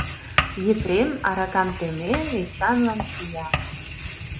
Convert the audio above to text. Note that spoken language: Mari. Епрем, аракам темен, Эчанлан шуя.